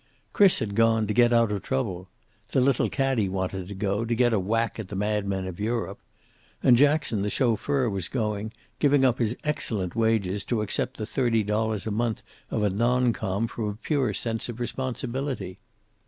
Chris had gone, to get out of trouble. The little caddie wanted to go, to get a "whack" at the madmen of Europe. And Jackson, the chauffeur, was going, giving up his excellent wages to accept the thirty odd dollars a month of a non com, from a pure sense of responsibility.